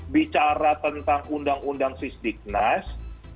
bicara tentang undang undang sisdiknas